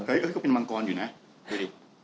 เอ้ยก็เป็นมังกรอยู่นะดูดิ